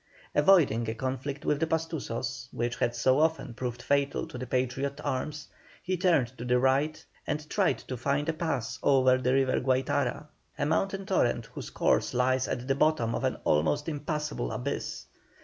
Avoiding a conflict with the Pastusos, which had so often proved fatal to the Patriot arms, he turned to the right and tried to find a pass over the River Guáitara, a mountain torrent whose course lies at the bottom of an almost impassable abyss.